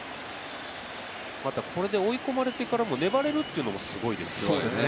これで追い込まれてからも粘れるというのがすごいですよね。